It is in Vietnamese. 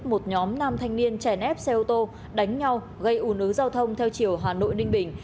một nhóm nam thanh niên chèn ép xe ô tô đánh nhau gây ủ nứ giao thông theo chiều hà nội ninh bình